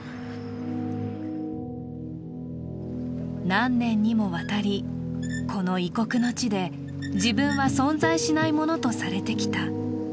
何年にもわたり、この異国の地で自分は存在しないものとされてきた。